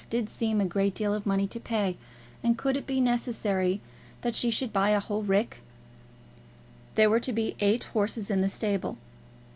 did seem a great deal of money to pay; and could it be necessary that she should buy a whole rick? There were to be eight horses in the stable.